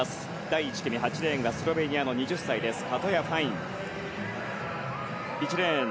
第１組８レーンがスロベニアの２０歳カトヤ・ファイン。